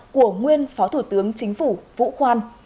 của nguyên phó thủ tướng chính phủ vũ khoan